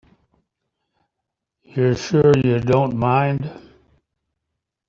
You're sure you don't mind?